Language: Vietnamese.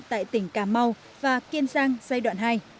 tại tỉnh cà mau và kiên giang giai đoạn hai